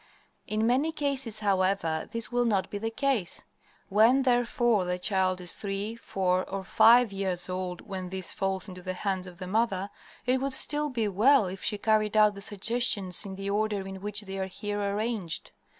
In many cases, however, this will not be the case. When, therefore, the child is three, four, or five years old when this falls into the hands of the mother, it would still be well if she carried out the suggestions in the order in which they are here arranged.